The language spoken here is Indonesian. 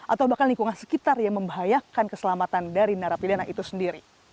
atau bahkan lingkungan sekitar yang membahayakan keselamatan dari narapidana itu sendiri